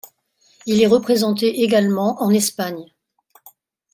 Il est représenté également en Espagne.